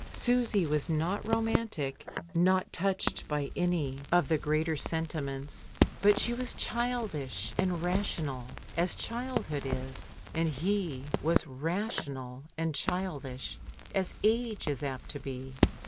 Susy was not romantic, not touched by any of LONDON CITY. 1 53 the greater sentiments, but she was childish and rational, as childhood is, and he was rational and childish as age is apt to be.